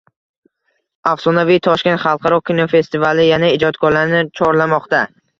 Afsonaviy Toshkent xalqaro kinofestivali yana ijodkorlarni chorlamoqda